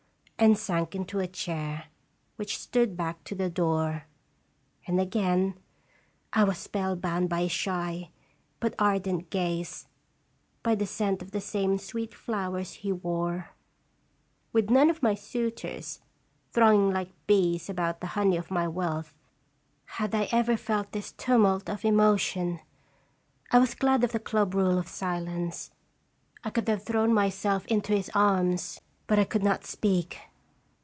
and sank into a chair which stood back to the door; and again I was spellbound by his shy but ardent gaze, by the scent of the same sweet flowers he wore. With none of my suitors, thronging like bees about the honey of my wealth, had I ever felt this tumult of emotion. I was glad of the club rule of silence. I could have thrown myself into his arms, but I could not speak.